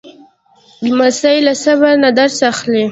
لمسی له صبر نه درس اخلي.